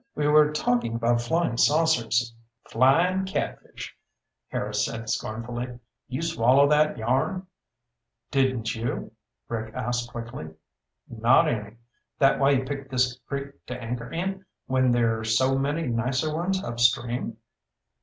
"We were talking about flying saucers." "Flyin' catfish," Harris said scornfully. "You swallow that yarn?" "Didn't you?" Rick asked quickly. "Not any. That why you picked this creek to anchor in when there's so many nicer ones upstream?"